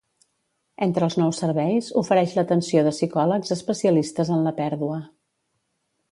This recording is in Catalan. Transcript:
Entre els nous serveis, ofereix l'atenció de psicòlegs especialistes en la pèrdua.